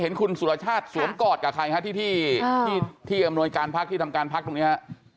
เห็นคุณสุรชาติสวมกอดกับใครฮะที่อำนวยการพักที่ทำการพักตรงนี้ฮะ